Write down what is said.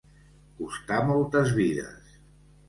Costar moltes vides.